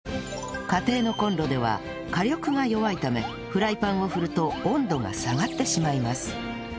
家庭のコンロでは火力が弱いためフライパンを振ると温度が下がってしまいます